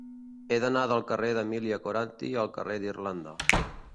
He d'anar del carrer d'Emília Coranty al carrer d'Irlanda.